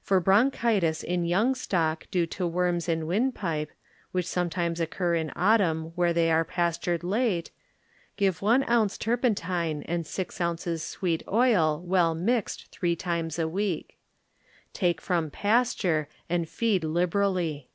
For bron chitis in young stock due to worms in windpipe, which sometimes occur in autumn where they are pastured late, give one ounce turpentine and six ounces sweet oil well mixed three times a week. Take from pasture and feed liberally.